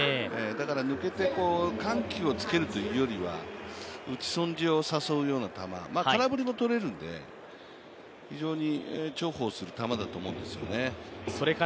抜けて緩急をつけるというよりは打ち損じを誘うような球、空振りもとれるんで非常に重宝する球だと思うんですよね。